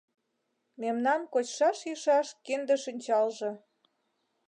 Мемнан кочшаш-йӱшаш кинде-шинчалже